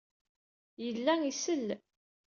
Yella isell.